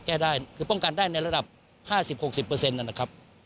คือป้องกันได้ในระดับ๕๐๖๐เปอร์เซ็นต์